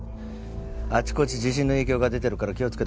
あちこち地震の影響が出てるから気をつけて来いよ。